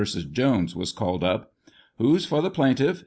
Jones was called up. "Who's for the plaintiff?"